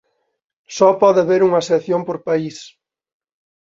So pode haber unha sección por país.